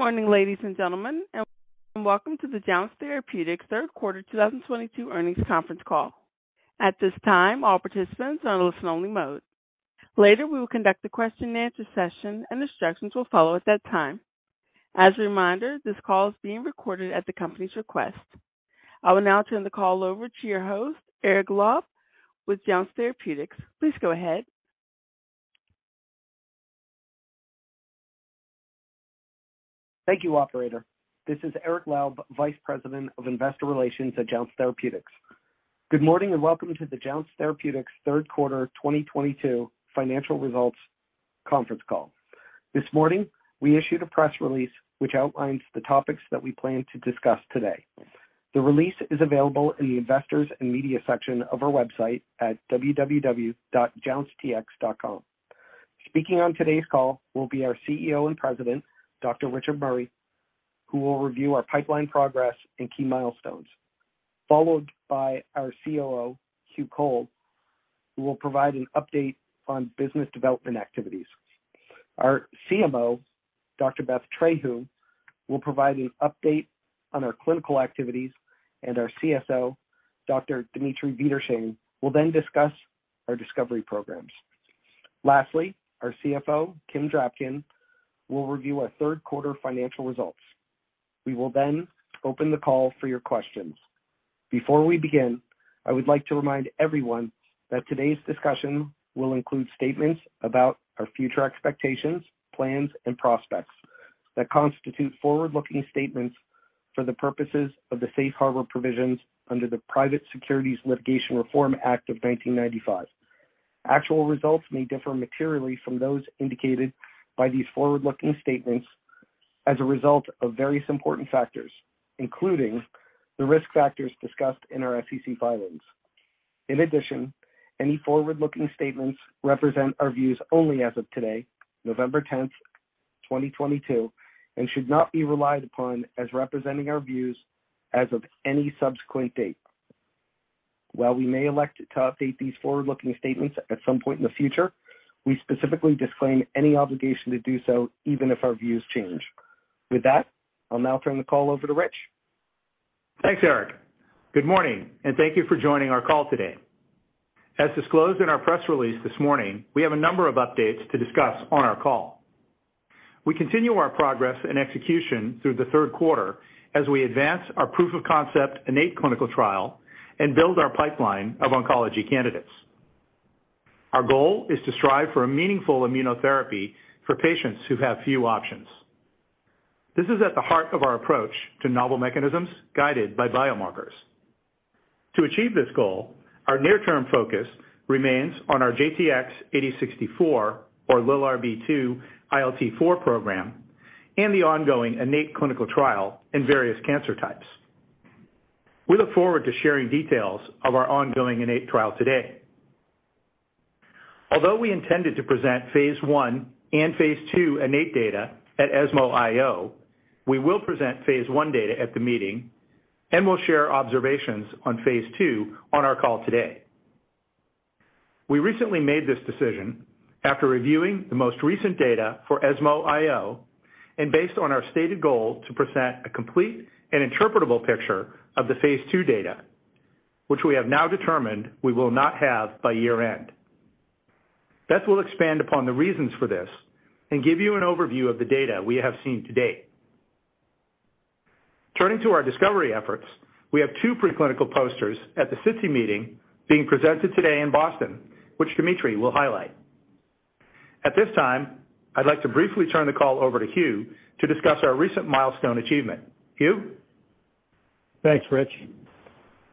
Good morning, ladies and gentlemen, and welcome to the Jounce Therapeutics third quarter 2022 earnings conference call. At this time, all participants are in listen only mode. Later, we will conduct a question and answer session, and instructions will follow at that time. As a reminder, this call is being recorded at the company's request. I will now turn the call over to your host, Eric Laub with Jounce Therapeutics. Please go ahead. Thank you, operator. This is Eric Laub, Vice President of Investor Relations at Jounce Therapeutics. Good morning, and welcome to the Jounce Therapeutics third quarter 2022 financial results conference call. This morning, we issued a press release which outlines the topics that we plan to discuss today. The release is available in the Investors and Media section of our website at www.jouncetx.com. Speaking on today's call will be our CEO and President, Dr. Richard Murray, who will review our pipeline progress and key milestones, followed by our COO, Hugh Cole, who will provide an update on business development activities. Our CMO, Dr. Elizabeth Trehu, will provide an update on our clinical activities, and our CSO, Dr. Dmitri Wiederschain, will then discuss our discovery programs. Lastly, our CFO, Kimberlee Drapkin, will review our third quarter financial results. We will then open the call for your questions. Before we begin, I would like to remind everyone that today's discussion will include statements about our future expectations, plans and prospects that constitute forward-looking statements for the purposes of the safe harbor provisions under the Private Securities Litigation Reform Act of 1995. Actual results may differ materially from those indicated by these forward-looking statements as a result of various important factors, including the risk factors discussed in our SEC filings. In addition, any forward-looking statements represent our views only as of today, November 10, 2022, and should not be relied upon as representing our views as of any subsequent date. While we may elect to update these forward-looking statements at some point in the future, we specifically disclaim any obligation to do so even if our views change. With that, I'll now turn the call over to Rich. Thanks, Eric. Good morning, and thank you for joining our call today. As disclosed in our press release this morning, we have a number of updates to discuss on our call. We continue our progress and execution through the third quarter as we advance our proof of concept INNATE clinical trial and build our pipeline of oncology candidates. Our goal is to strive for a meaningful immunotherapy for patients who have few options. This is at the heart of our approach to novel mechanisms guided by biomarkers. To achieve this goal, our near-term focus remains on our JTX-8064 or LILRB2 ILT-4 program and the ongoing INNATE clinical trial in various cancer types. We look forward to sharing details of our ongoing INNATE trial today. Although we intended to present phase I and phase II INNATE data at ESMO IO, we will present phase I data at the meeting and will share observations on phase II on our call today. We recently made this decision after reviewing the most recent data for ESMO IO and based on our stated goal to present a complete and interpretable picture of the phase II data, which we have now determined we will not have by year-end. Beth will expand upon the reasons for this and give you an overview of the data we have seen to date. Turning to our discovery efforts, we have two preclinical posters at the SITC Meeting being presented today in Boston, which Dimitri will highlight. At this time, I'd like to briefly turn the call over to Hugh to discuss our recent milestone achievement. Hugh? Thanks, Rich.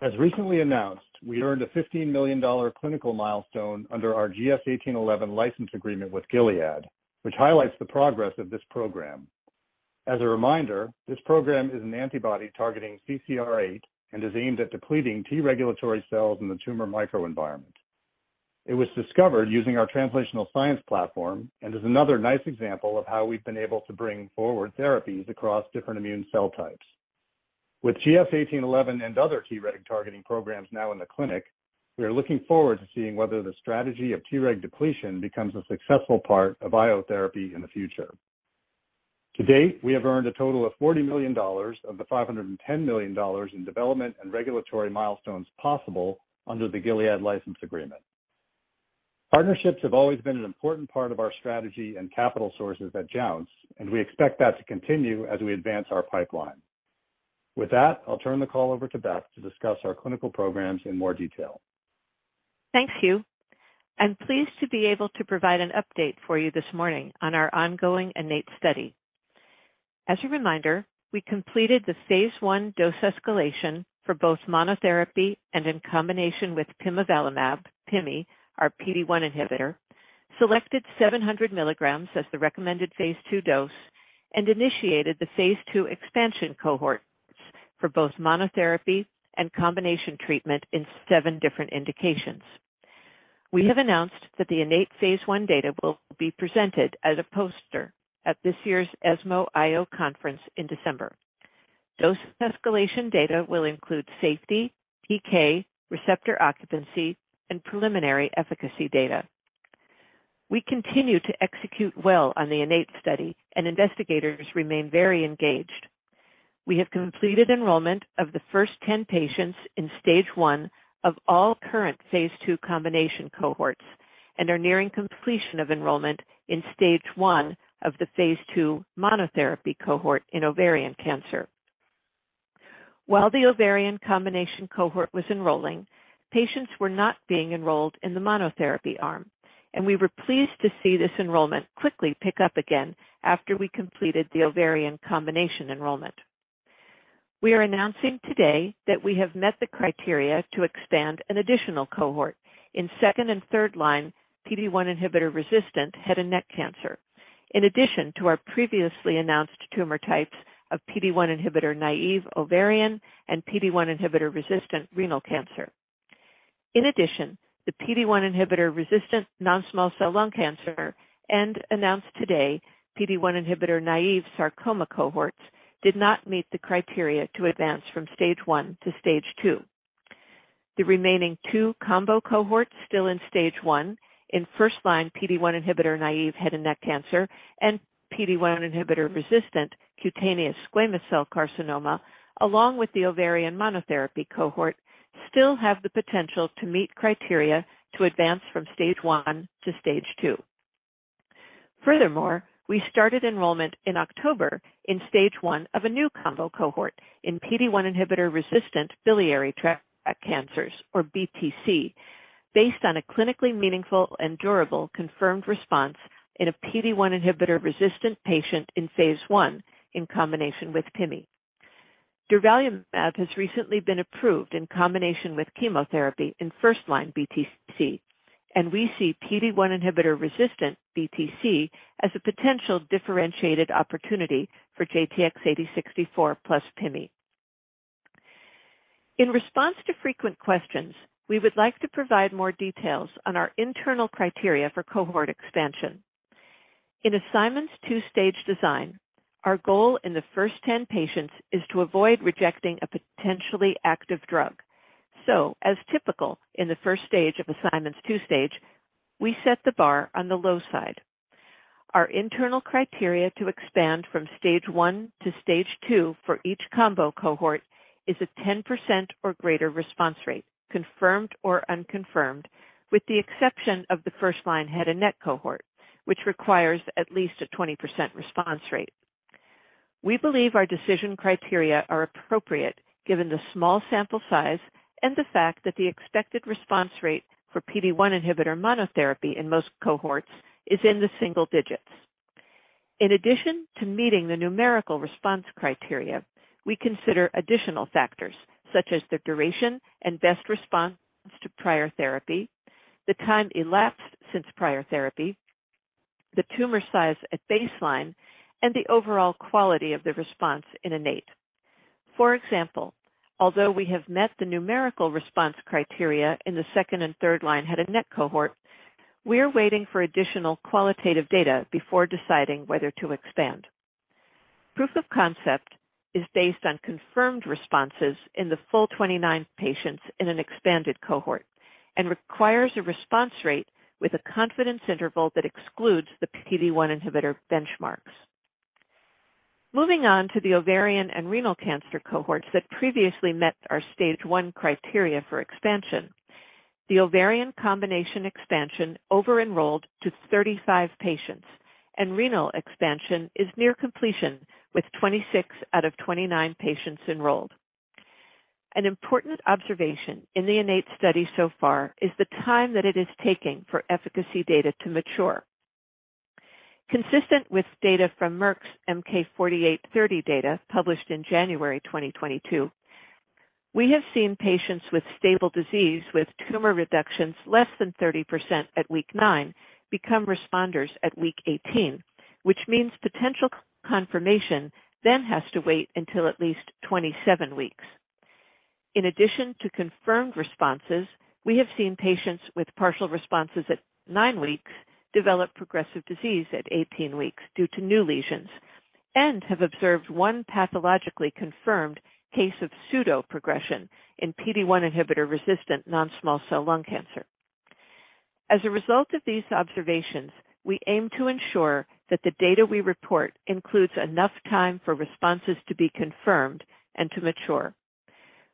As recently announced, we earned a $15 million clinical milestone under our GS-1811 license agreement with Gilead, which highlights the progress of this program. As a reminder, this program is an antibody targeting CCR8 and is aimed at depleting T-regulatory cells in the tumor microenvironment. It was discovered using our translational science platform and is another nice example of how we've been able to bring forward therapies across different immune cell types. With GS-1811 and other T-reg targeting programs now in the clinic, we are looking forward to seeing whether the strategy of T-reg depletion becomes a successful part of I/O therapy in the future. To date, we have earned a total of $40 million of the $510 million in development and regulatory milestones possible under the Gilead license agreement. Partnerships have always been an important part of our strategy and capital sources at Jounce, and we expect that to continue as we advance our pipeline. With that, I'll turn the call over to Beth to discuss our clinical programs in more detail. Thanks, Hugh. I'm pleased to be able to provide an update for you this morning on our ongoing INNATE study. As a reminder, we completed the phase I dose escalation for both monotherapy and in combination with pimivalimab, pimi, our PD-1 inhibitor, selected 700 milligrams as the recommended phase II dose, and initiated the phase II expansion cohorts for both monotherapy and combination treatment in 7 different indications. We have announced that the INNATE phase I data will be presented as a poster at this year's ESMO IO conference in December. Dose escalation data will include safety, PK, receptor occupancy, and preliminary efficacy data. We continue to execute well on the INNATE study and investigators remain very engaged. We have completed enrollment of the first 10 patients in stage 1 of all current phase II combination cohorts and are nearing completion of enrollment in stage 1 of the phase II monotherapy cohort in ovarian cancer. While the ovarian combination cohort was enrolling, patients were not being enrolled in the monotherapy arm and we were pleased to see this enrollment quickly pick up again after we completed the ovarian combination enrollment. We are announcing today that we have met the criteria to expand an additional cohort in second and third line PD-1 inhibitor-resistant head and neck cancer in addition to our previously announced tumor types of PD-1 inhibitor naive ovarian and PD-1 inhibitor-resistant renal cancer. In addition, the PD-1 inhibitor-resistant non-small cell lung cancer and announced today PD-1 inhibitor naive sarcoma cohorts did not meet the criteria to advance from stage 1 to stage 2. The remaining two combo cohorts still in stage 1 in first-line PD-1 inhibitor-naive head and neck cancer and PD-1 inhibitor-resistant cutaneous squamous cell carcinoma, along with the ovarian monotherapy cohort still have the potential to meet criteria to advance from stage 1 to stage 2. Furthermore, we started enrollment in October in stage 1 of a new combo cohort in PD-1 inhibitor-resistant biliary tract cancers, or BTC, based on a clinically meaningful and durable confirmed response in a PD-1 inhibitor-resistant patient in phase I in combination with PIMI. Durvalumab has recently been approved in combination with chemotherapy in first-line BTC and we see PD-1 inhibitor-resistant BTC as a potential differentiated opportunity for JTX-8064 plus PIMI. In response to frequent questions, we would like to provide more details on our internal criteria for cohort expansion. In Simon's two-stage design, our goal in the first 10 patients is to avoid rejecting a potentially active drug. As typical in the first stage of Simon's two-stage, we set the bar on the low side. Our internal criteria to expand from stage one to stage two for each combo cohort is a 10% or greater response rate, confirmed or unconfirmed, with the exception of the first line head and neck cohort, which requires at least a 20% response rate. We believe our decision criteria are appropriate given the small sample size and the fact that the expected response rate for PD-1 inhibitor monotherapy in most cohorts is in the single digits. In addition to meeting the numerical response criteria, we consider additional factors such as the duration and best response to prior therapy, the time elapsed since prior therapy, the tumor size at baseline, and the overall quality of the response in INNATE. For example, although we have met the numerical response criteria in the second and third line head and neck cohort, we are waiting for additional qualitative data before deciding whether to expand. Proof of concept is based on confirmed responses in the full 29 patients in an expanded cohort and requires a response rate with a confidence interval that excludes the PD-1 inhibitor benchmarks. Moving on to the ovarian and renal cancer cohorts that previously met our stage one criteria for expansion. The ovarian combination expansion over-enrolled to 35 patients and renal expansion is near completion with 26 out of 29 patients enrolled. An important observation in the INNATE study so far is the time that it is taking for efficacy data to mature. Consistent with data from Merck's MK-4830 data published in January 2022, we have seen patients with stable disease with tumor reductions less than 30% at week 9 become responders at week 18, which means potential confirmation then has to wait until at least 27 weeks. In addition to confirmed responses, we have seen patients with partial responses at 9 weeks develop progressive disease at 18 weeks due to new lesions, and have observed one pathologically confirmed case of pseudoprogression in PD-1 inhibitor-resistant non-small cell lung cancer. As a result of these observations, we aim to ensure that the data we report includes enough time for responses to be confirmed and to mature.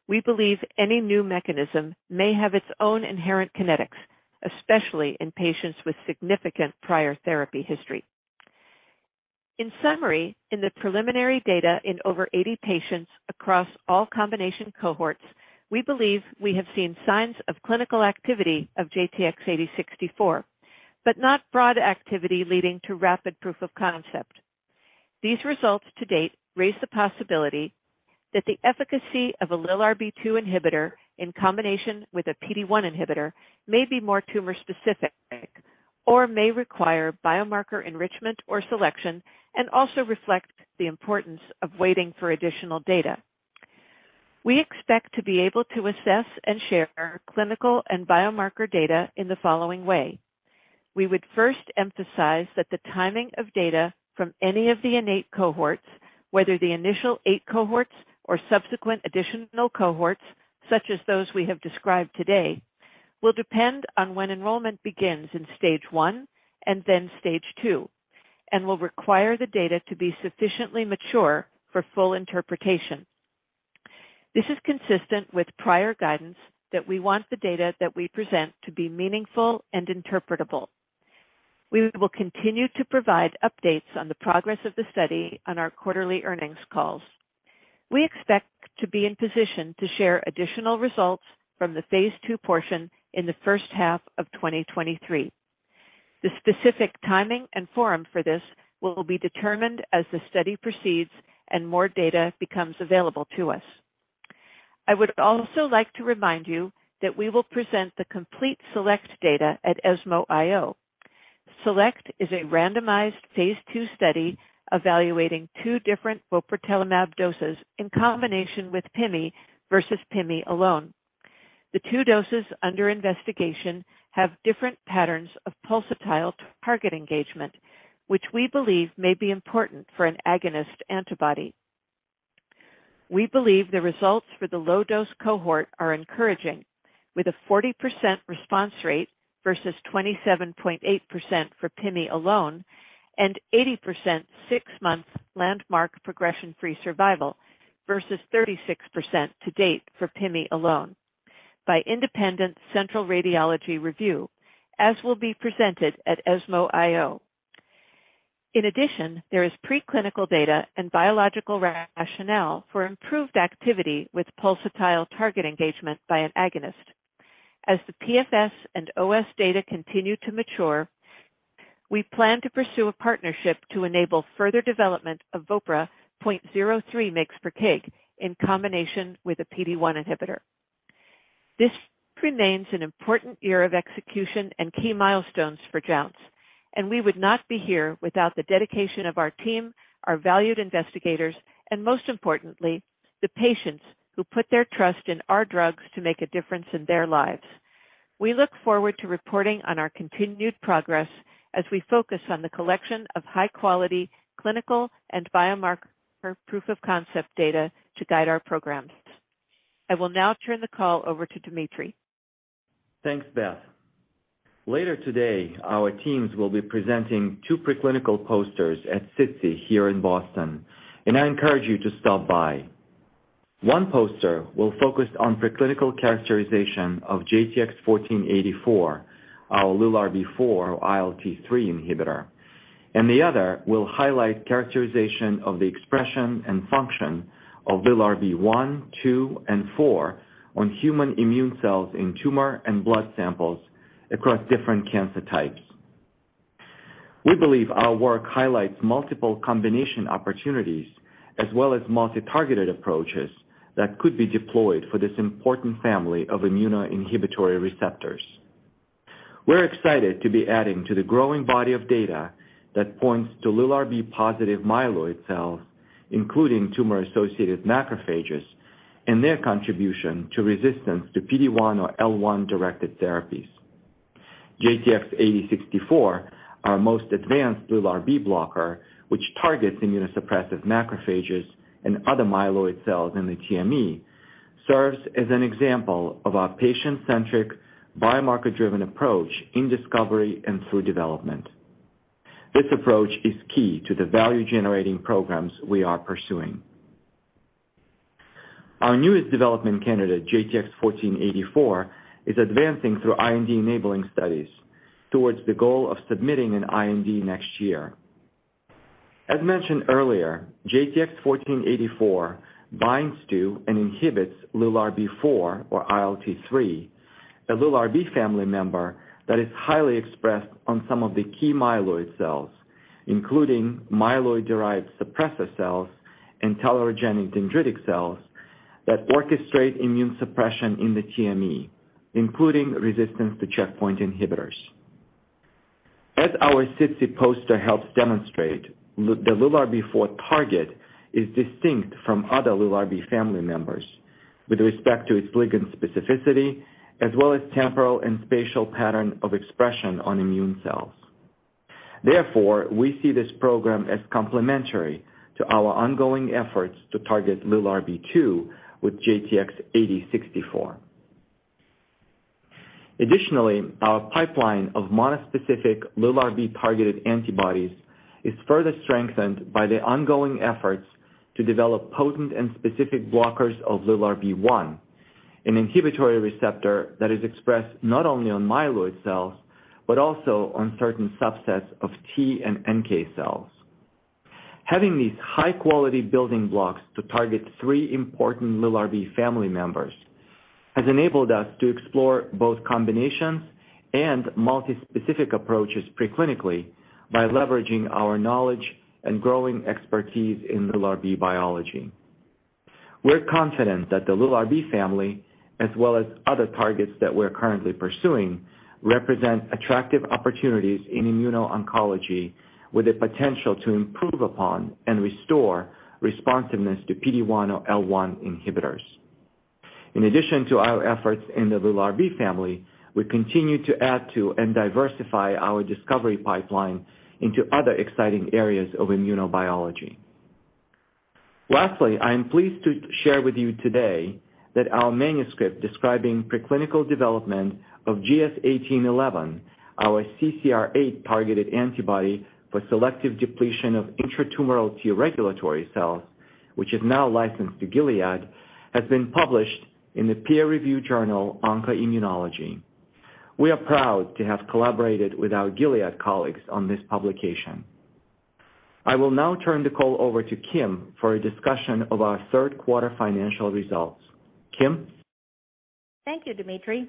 We believe any new mechanism may have its own inherent kinetics, especially in patients with significant prior therapy history. In summary, in the preliminary data in over 80 patients across all combination cohorts, we believe we have seen signs of clinical activity of JTX-8064, but not broad activity leading to rapid proof of concept. These results to date raise the possibility that the efficacy of a LILRB2 inhibitor in combination with a PD-1 inhibitor may be more tumor specific or may require biomarker enrichment or selection and also reflect the importance of waiting for additional data. We expect to be able to assess and share clinical and biomarker data in the following way. We would first emphasize that the timing of data from any of the INNATE cohorts, whether the initial 8 cohorts or subsequent additional cohorts, such as those we have described today, will depend on when enrollment begins in stage 1 and then stage 2, and will require the data to be sufficiently mature for full interpretation. This is consistent with prior guidance that we want the data that we present to be meaningful and interpretable. We will continue to provide updates on the progress of the study on our quarterly earnings calls. We expect to be in position to share additional results from the phase II portion in the first half of 2023. The specific timing and forum for this will be determined as the study proceeds and more data becomes available to us. I would also like to remind you that we will present the complete SELECT data at ESMO IO. SELECT is a randomized phase II study evaluating two different vopratelimab doses in combination with PIMI versus PIMI alone. The two doses under investigation have different patterns of pulsatile target engagement, which we believe may be important for an agonist antibody. We believe the results for the low dose cohort are encouraging, with a 40% response rate versus 27.8% for PIMI alone, and 80% six-month landmark progression-free survival versus 36% to date for PIMI alone by independent central radiology review, as will be presented at ESMO IO. In addition, there is pre-clinical data and biological rationale for improved activity with pulsatile target engagement by an agonist. As the PFS and OS data continue to mature, we plan to pursue a partnership to enable further development of vopra 0.03 mg per kg in combination with a PD-1 inhibitor. This remains an important year of execution and key milestones for Jounce, and we would not be here without the dedication of our team, our valued investigators, and most importantly, the patients who put their trust in our drugs to make a difference in their lives. We look forward to reporting on our continued progress as we focus on the collection of high-quality clinical and biomarker proof of concept data to guide our programs. I will now turn the call over to Dmitri. Thanks, Beth. Later today, our teams will be presenting two preclinical posters at SITC here in Boston, and I encourage you to stop by. One poster will focus on preclinical characterization of JTX-1484, our LILRB4 ILT3 inhibitor, and the other will highlight characterization of the expression and function of LILRB1, LILRB2, and LILRB4 on human immune cells in tumor and blood samples across different cancer types. We believe our work highlights multiple combination opportunities as well as multi-targeted approaches that could be deployed for this important family of immunoinhibitory receptors. We're excited to be adding to the growing body of data that points to LILRB positive myeloid cells, including tumor-associated macrophages and their contribution to resistance to PD-1 or PD-L1-directed therapies. JTX-8064, our most advanced LILRB blocker, which targets immunosuppressive macrophages and other myeloid cells in the TME, serves as an example of our patient-centric, biomarker-driven approach in discovery and through development. This approach is key to the value-generating programs we are pursuing. Our newest development candidate, JTX-1484, is advancing through IND-enabling studies towards the goal of submitting an IND next year. As mentioned earlier, JTX-1484 binds to and inhibits LILRB4 or ILT3, a LILRB family member that is highly expressed on some of the key myeloid cells, including myeloid-derived suppressor cells and tolerogenic dendritic cells that orchestrate immune suppression in the TME, including resistance to checkpoint inhibitors. As our SITC poster helps demonstrate, the LILRB4 target is distinct from other LILRB family members with respect to its ligand specificity as well as temporal and spatial pattern of expression on immune cells. Therefore, we see this program as complementary to our ongoing efforts to target LILRB2 with JTX-8064. Additionally, our pipeline of monospecific LILRB-targeted antibodies is further strengthened by the ongoing efforts to develop potent and specific blockers of LILRB1, an inhibitory receptor that is expressed not only on myeloid cells, but also on certain subsets of T and NK cells. Having these high-quality building blocks to target three important LILRB family members has enabled us to explore both combinations and multispecific approaches preclinically by leveraging our knowledge and growing expertise in LILRB biology. We're confident that the LILRB family, as well as other targets that we're currently pursuing, represent attractive opportunities in immuno-oncology with the potential to improve upon and restore responsiveness to PD-1 or PD-L1 inhibitors. In addition to our efforts in the LILRB family, we continue to add to and diversify our discovery pipeline into other exciting areas of immunobiology. Lastly, I am pleased to share with you today that our manuscript describing preclinical development of GS-1811, our CCR8 targeted antibody for selective depletion of intratumoral T-regulatory cells, which is now licensed to Gilead, has been published in the peer-reviewed journal, OncoImmunology. We are proud to have collaborated with our Gilead colleagues on this publication. I will now turn the call over to Kim for a discussion of our third quarter financial results. Kim? Thank you, Dmitry.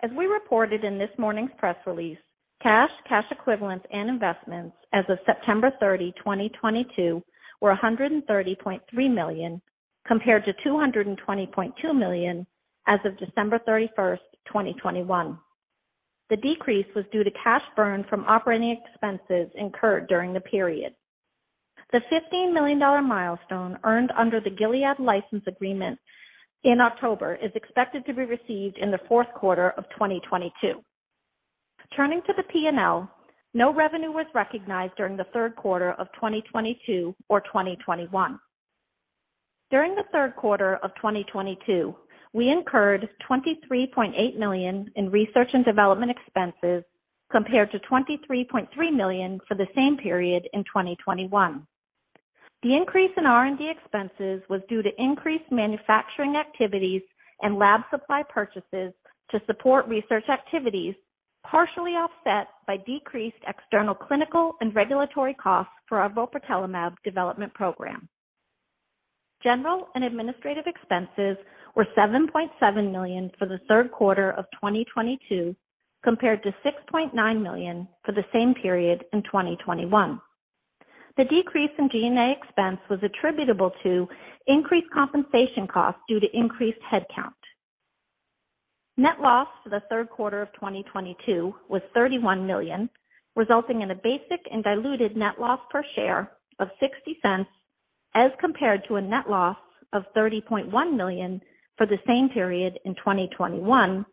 As we reported in this morning's press release, cash equivalents, and investments as of September 30, 2022 were $130.3 million, compared to $220.2 million as of December 31, 2021. The decrease was due to cash burn from operating expenses incurred during the period. The $15 million milestone earned under the Gilead license agreement in October is expected to be received in the fourth quarter of 2022. Turning to the P&L, no revenue was recognized during the third quarter of 2022 or 2021. During the third quarter of 2022, we incurred $23.8 million in research and development expenses, compared to $23.3 million for the same period in 2021. The increase in R&D expenses was due to increased manufacturing activities and lab supply purchases to support research activities, partially offset by decreased external clinical and regulatory costs for our vopratelimab development program. General and administrative expenses were $7.7 million for the third quarter of 2022, compared to $6.9 million for the same period in 2021. The decrease in G&A expense was attributable to increased compensation costs due to increased headcount. Net loss for the third quarter of 2022 was $31 million, resulting in a basic and diluted net loss per share of $0.60, as compared to a net loss of $30.1 million for the same period in 2021,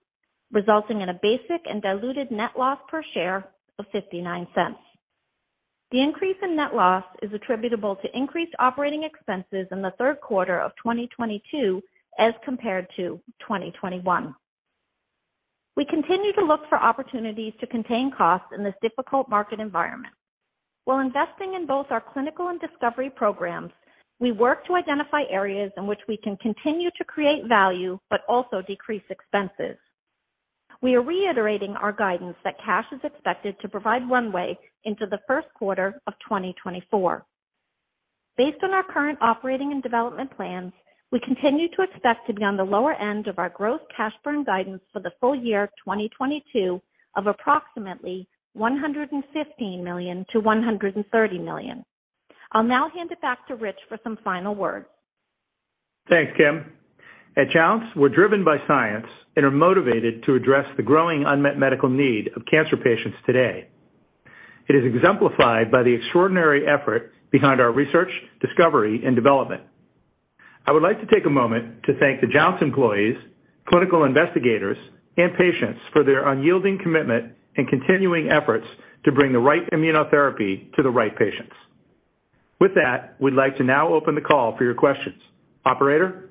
resulting in a basic and diluted net loss per share of $0.59. The increase in net loss is attributable to increased operating expenses in the third quarter of 2022 as compared to 2021. We continue to look for opportunities to contain costs in this difficult market environment. While investing in both our clinical and discovery programs, we work to identify areas in which we can continue to create value but also decrease expenses. We are reiterating our guidance that cash is expected to provide runway into the first quarter of 2024. Based on our current operating and development plans, we continue to expect to be on the lower end of our growth cash burn guidance for the full year of 2022 of approximately $115 million-$130 million. I'll now hand it back to Rich for some final words. Thanks, Kim. At Jounce, we're driven by science and are motivated to address the growing unmet medical need of cancer patients today. It is exemplified by the extraordinary effort behind our research, discovery, and development. I would like to take a moment to thank the Jounce employees, clinical investigators, and patients for their unyielding commitment and continuing efforts to bring the right immunotherapy to the right patients. With that, we'd like to now open the call for your questions. Operator?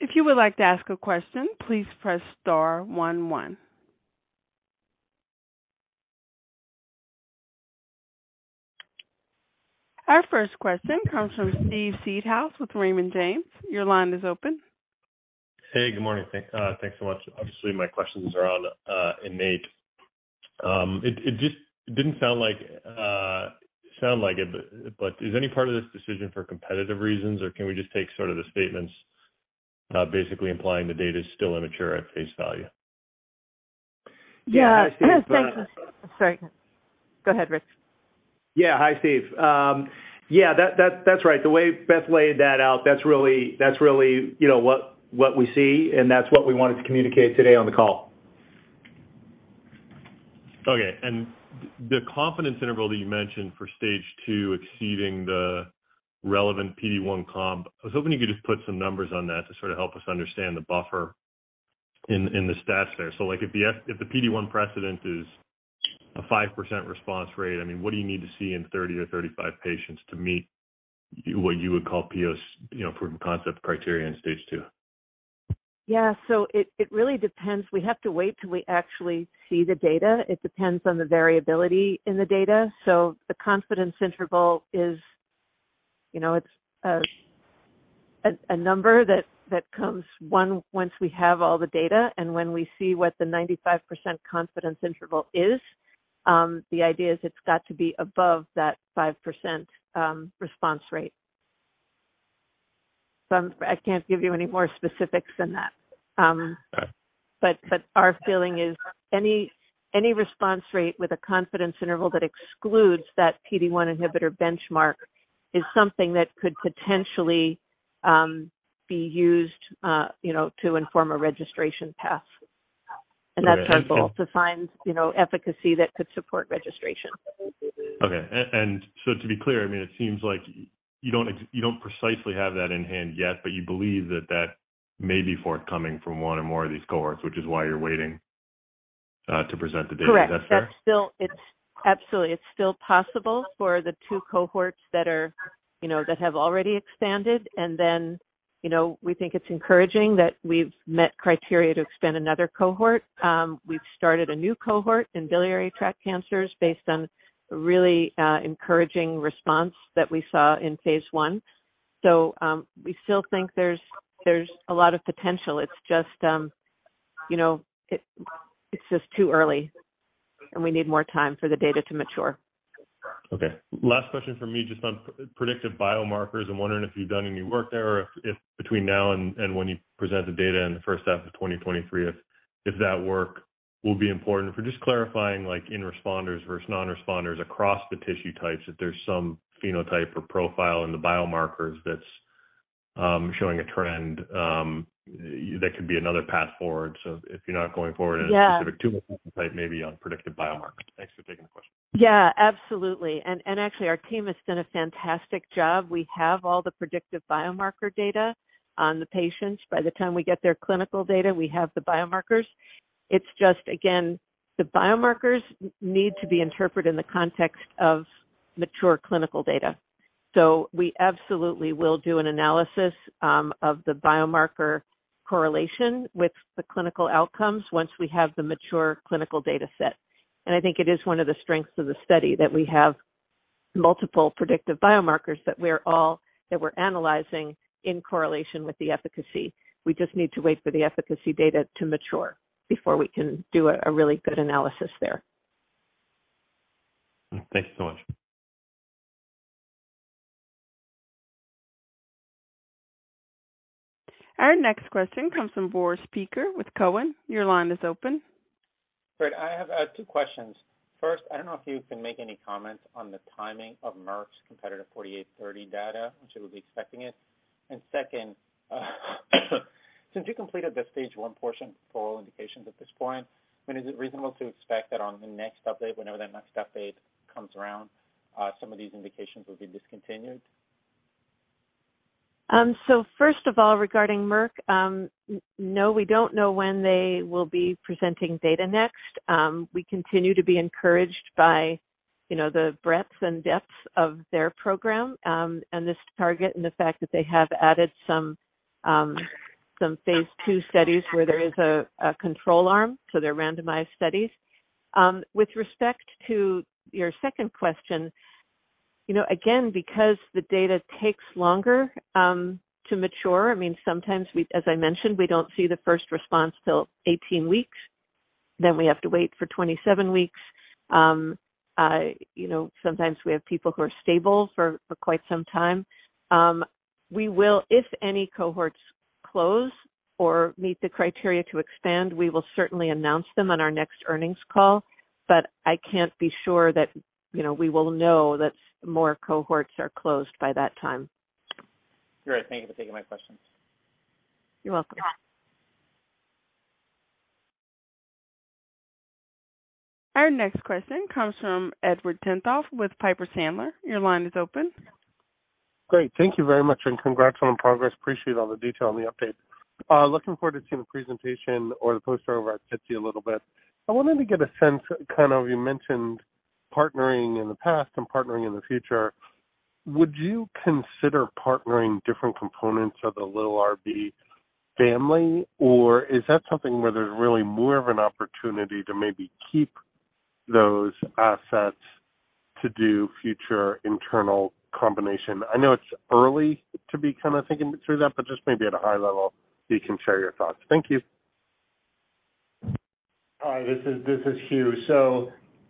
If you would like to ask a question, please press star one one. Our first question comes from Steven Seedhouse with Raymond James. Your line is open. Hey, good morning. Thanks so much. Obviously, my questions are on INNATE. It just didn't sound like it, but is any part of this decision for competitive reasons, or can we just take sort of the statements basically implying the data is still immature at face value? Yeah. Yeah. No. Hi, Steve. Thanks. Sorry. Go ahead, Rich. Yeah. Hi, Steve. Yeah, that's right. The way Beth laid that out, that's really, you know, what we see, and that's what we wanted to communicate today on the call. Okay. The confidence interval that you mentioned for stage two exceeding the relevant PD-1 comp, I was hoping you could just put some numbers on that to sort of help us understand the buffer in the stats there. Like, if the PD-1 precedent is a 5% response rate, I mean, what do you need to see in 30 or 35 patients to meet what you would call PO, you know, proof of concept criteria in stage two? Yeah. It really depends. We have to wait till we actually see the data. It depends on the variability in the data. The confidence interval is, you know, it's a number that comes once we have all the data and when we see what the 95% confidence interval is, the idea is it's got to be above that 5%, response rate. I can't give you any more specifics than that. All right. Our feeling is any response rate with a confidence interval that excludes that PD-1 inhibitor benchmark is something that could potentially be used, you know, to inform a registration path. That's our goal, to find, you know, efficacy that could support registration. Okay. To be clear, I mean, it seems like you don't precisely have that in hand yet, but you believe that that may be forthcoming from one or more of these cohorts, which is why you're waiting to present the data. Correct. Is that fair? Absolutely. It's still possible for the two cohorts that are, you know, that have already expanded. We think it's encouraging that we've met criteria to expand another cohort. We've started a new cohort in biliary tract cancers based on a really encouraging response that we saw in phase I. We still think there's a lot of potential. It's just, you know, too early, and we need more time for the data to mature. Okay. Last question from me, just on predictive biomarkers. I'm wondering if you've done any work there or if between now and when you present the data in the first half of 2023, if that work will be important for just clarifying, like, in responders versus non-responders across the tissue types, if there's some phenotype or profile in the biomarkers that's showing a trend that could be another path forward. If you're not going forward- Yeah. in a specific tumor type, maybe on predictive biomarkers. Thanks for taking the question. Yeah, absolutely. Actually, our team has done a fantastic job. We have all the predictive biomarker data on the patients. By the time we get their clinical data, we have the biomarkers. It's just, again, the biomarkers need to be interpreted in the context of mature clinical data. We absolutely will do an analysis of the biomarker correlation with the clinical outcomes once we have the mature clinical data set. I think it is one of the strengths of the study that we have multiple predictive biomarkers that we're analyzing in correlation with the efficacy. We just need to wait for the efficacy data to mature before we can do a really good analysis there. Thanks so much. Our next question comes from Boris Peaker with Cowen. Your line is open. Great. I have 2 questions. First, I don't know if you can make any comments on the timing of Merck's competitor MK-4830 data. When should we be expecting it. Second, since you completed the stage 1 portion for all indications at this point, I mean, is it reasonable to expect that on the next update, whenever that next update comes around, some of these indications will be discontinued? First of all, regarding Merck, we don't know when they will be presenting data next. We continue to be encouraged by, you know, the breadth and depth of their program, and this target and the fact that they have added some phase II studies where there is a control arm, so they're randomized studies. With respect to your second question, you know, again, because the data takes longer to mature, I mean, sometimes we, as I mentioned, we don't see the first response till 18 weeks, then we have to wait for 27 weeks. You know, sometimes we have people who are stable for quite some time. We will, if any cohorts close or meet the criteria to expand, we will certainly announce them on our next earnings call. I can't be sure that, you know, we will know that more cohorts are closed by that time. Great. Thank you for taking my questions. You're welcome. Our next question comes from Edward Tenthoff with Piper Sandler. Your line is open. Great. Thank you very much, and congrats on the progress. Appreciate all the detail on the update. Looking forward to seeing the presentation or the poster over at SITC a little bit. I wanted to get a sense, kind of you mentioned partnering in the past and partnering in the future. Would you consider partnering different components of the LILRB family, or is that something where there's really more of an opportunity to maybe keep those assets to do future internal combination? I know it's early to be kind of thinking through that, but just maybe at a high level, you can share your thoughts. Thank you. Hi, this is Hugh.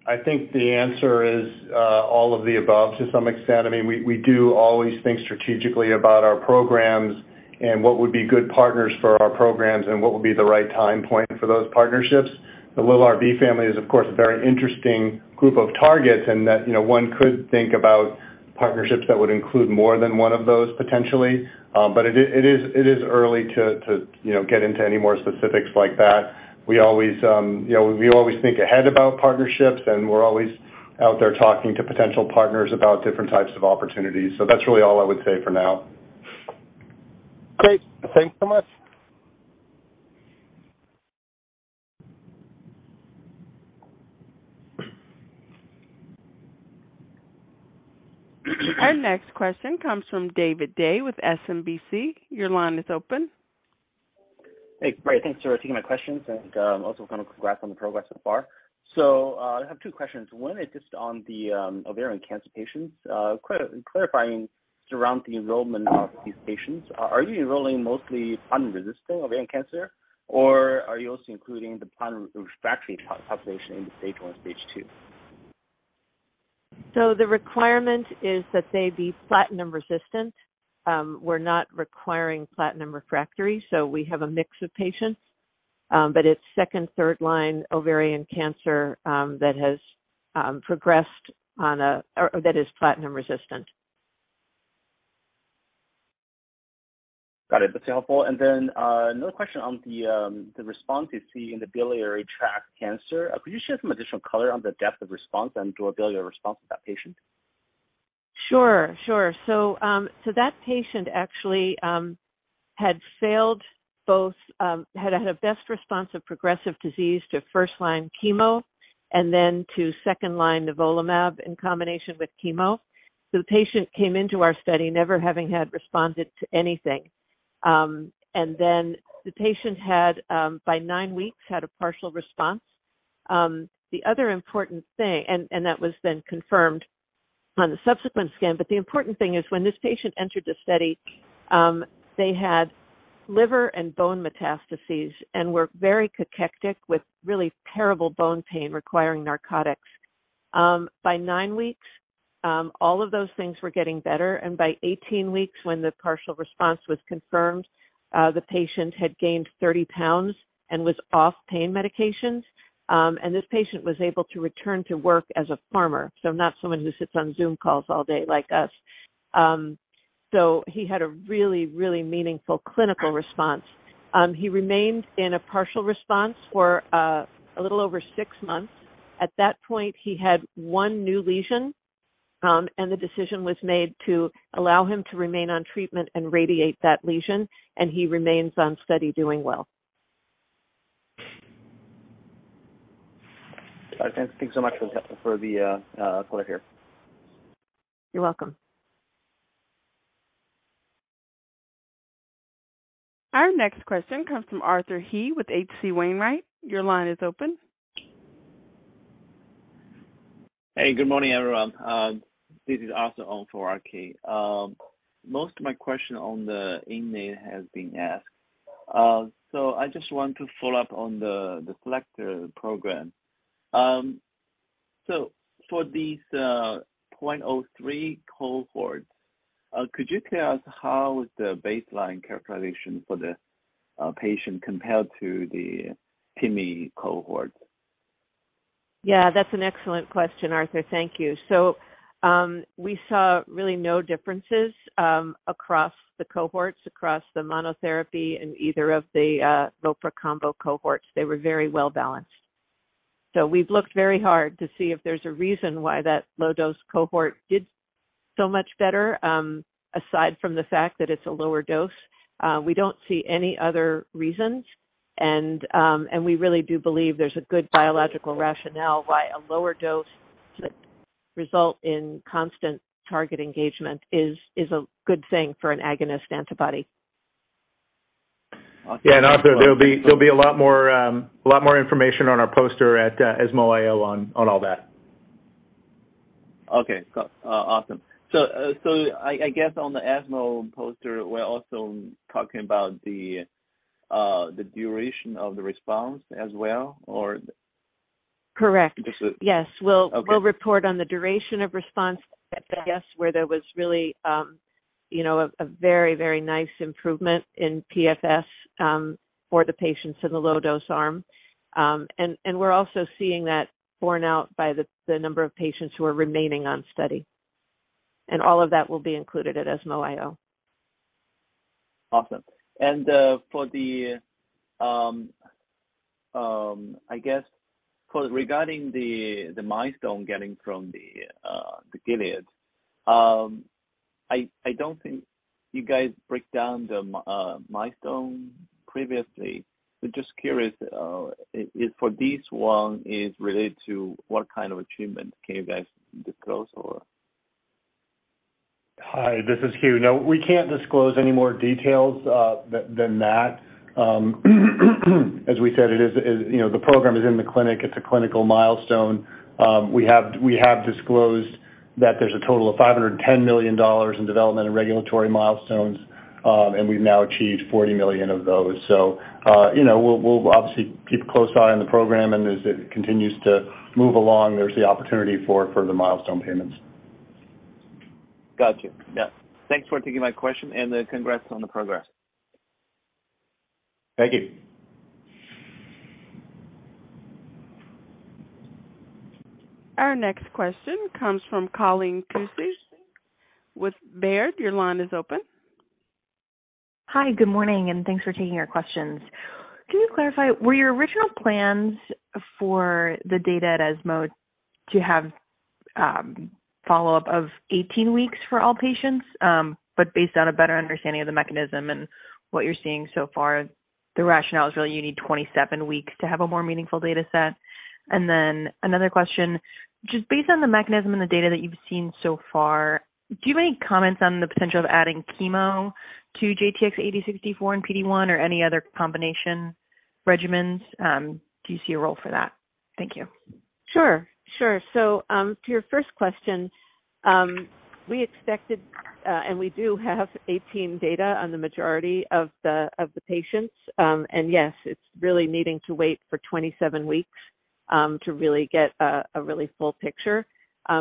I think the answer is all of the above to some extent. I mean, we do always think strategically about our programs and what would be good partners for our programs and what would be the right time point for those partnerships. The LILRB family is, of course, a very interesting group of targets and that, you know, one could think about partnerships that would include more than one of those potentially. It is early to you know get into any more specifics like that. We always you know think ahead about partnerships, and we're always out there talking to potential partners about different types of opportunities. That's really all I would say for now. Great. Thanks so much. Our next question comes from David Dai with SMBC. Your line is open. Hey. Great. Thanks for taking my questions and, also congrats on the progress so far. I have two questions. One is just on the, ovarian cancer patients. Clarifying around the enrollment of these patients, are you enrolling mostly platinum-resistant ovarian cancer, or are you also including the platinum refractory population in the stage one, stage two? The requirement is that they be platinum resistant. We're not requiring platinum refractory, so we have a mix of patients, but it's second, third line ovarian cancer, that has, progressed on a-- or that is platinum resistant. Got it. That's helpful. Another question on the response you see in the biliary tract cancer. Could you share some additional color on the depth of response and durability of response of that patient? Sure. That patient actually had failed both, had a best response of progressive disease to first line chemo and then to second line nivolumab in combination with chemo. The patient came into our study never having had responded to anything. Then the patient had, by 9 weeks, a partial response. The other important thing, that was then confirmed on the subsequent scan, but the important thing is, when this patient entered the study, they had liver and bone metastases and were very cachectic with really terrible bone pain requiring narcotics. By 9 weeks, all of those things were getting better, and by 18 weeks when the partial response was confirmed, the patient had gained 30 pounds and was off pain medications. This patient was able to return to work as a farmer, so not someone who sits on Zoom calls all day like us. He had a really, really meaningful clinical response. He remained in a partial response for a little over six months. At that point, he had one new lesion, and the decision was made to allow him to remain on treatment and radiate that lesion, and he remains on study doing well. All right. Thanks. Thanks so much for the color here. You're welcome. Our next question comes from Arthur He with H.C. Wainwright. Your line is open. Hey, good morning, everyone. This is Arthur He on for RK. Most of my question on the INNATE has been asked. I just want to follow up on the SELECT program. For these 0.3 cohorts, could you tell us how the baseline characterization for the patients compared to the 1 mg cohort? Yeah, that's an excellent question, Arthur. Thank you. We saw really no differences across the cohorts, across the monotherapy in either of the vopra combo cohorts. They were very well balanced. We've looked very hard to see if there's a reason why that low dose cohort did so much better, aside from the fact that it's a lower dose. We don't see any other reasons and we really do believe there's a good biological rationale why a lower dose should result in constant target engagement is a good thing for an agonist antibody. Awesome. Yeah, Arthur, there'll be a lot more information on our poster at ESMO IO on all that. Okay. Awesome. I guess on the ESMO poster, we're also talking about the duration of the response as well, or? Correct. Just to- Yes. Okay. We'll report on the duration of response, I guess, where there was really, you know, a very nice improvement in PFS for the patients in the low dose arm. We're also seeing that borne out by the number of patients who are remaining on study. All of that will be included at ESMO IO. Awesome. I guess regarding the milestone getting from the Gilead, I don't think you guys break down the milestone previously. Just curious, if for this one is related to what kind of achievement can you guys disclose or? Hi, this is Hugh. No, we can't disclose any more details than that. As we said, it is, you know, the program is in the clinic, it's a clinical milestone. We have disclosed that there's a total of $510 million in development and regulatory milestones, and we've now achieved $40 million of those. You know, we'll obviously keep a close eye on the program and as it continues to move along, there's the opportunity for further milestone payments. Gotcha. Yeah. Thanks for taking my question and then congrats on the progress. Thank you. Our next question comes from Colleen Kusy with Baird. Your line is open. Hi, good morning, and thanks for taking our questions. Can you clarify, were your original plans for the data at ESMO to have follow-up of 18 weeks for all patients, but based on a better understanding of the mechanism and what you're seeing so far, the rationale is really you need 27 weeks to have a more meaningful data set? Another question, just based on the mechanism and the data that you've seen so far, do you have any comments on the potential of adding chemo to JTX-8064 and PD-1 or any other combination regimens? Do you see a role for that? Thank you. To your first question, we expected, and we do have 18 data on the majority of the patients. Yes, it's really needing to wait for 27 weeks to really get a really full picture.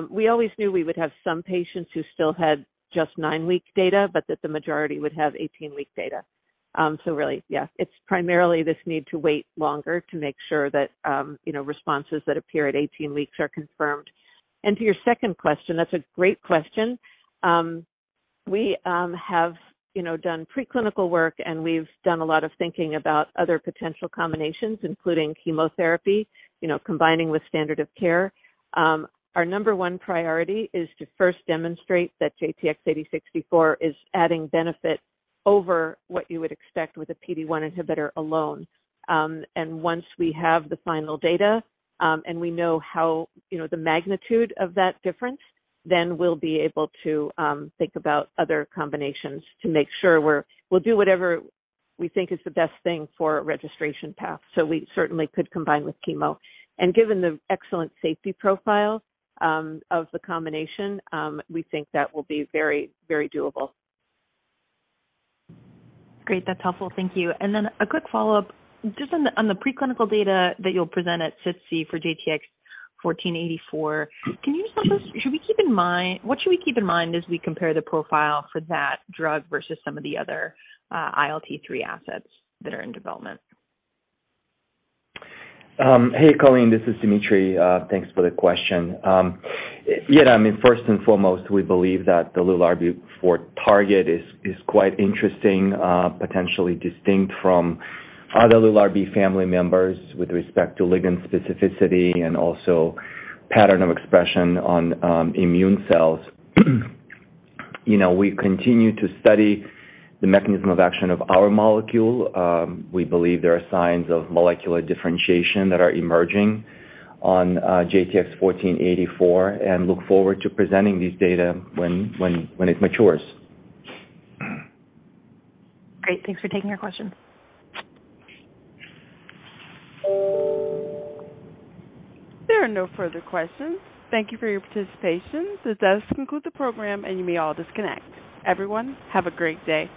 We always knew we would have some patients who still had just 9-week data, but that the majority would have 18-week data. So really, it's primarily this need to wait longer to make sure that you know, responses that appear at 18 weeks are confirmed. To your second question, that's a great question. We have you know, done preclinical work, and we've done a lot of thinking about other potential combinations, including chemotherapy, you know, combining with standard of care. Our number one priority is to first demonstrate that JTX-8064 is adding benefit over what you would expect with a PD-1 inhibitor alone. Once we have the final data, and we know how, you know, the magnitude of that difference, then we'll be able to think about other combinations to make sure we'll do whatever we think is the best thing for registration path, so we certainly could combine with chemo. Given the excellent safety profile of the combination, we think that will be very, very doable. Great. That's helpful. Thank you. Then a quick follow-up, just on the preclinical data that you'll present at SITC for JTX-1484, can you just help us? What should we keep in mind as we compare the profile for that drug versus some of the other ILT3 assets that are in development? Hey, Colleen, this is Dmitri. Thanks for the question. Yeah, I mean, first and foremost, we believe that the LILRB4 target is quite interesting, potentially distinct from other LILRB4 family members with respect to ligand specificity and also pattern of expression on immune cells. You know, we continue to study the mechanism of action of our molecule. We believe there are signs of molecular differentiation that are emerging on JTX-1484, and look forward to presenting these data when it matures. Great. Thanks for taking our question. There are no further questions. Thank you for your participation. This does conclude the program, and you may all disconnect. Everyone, have a great day.